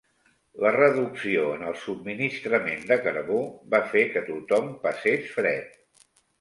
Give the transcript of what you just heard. La reducció en el subministrament de carbó va fer que tothom passés fred.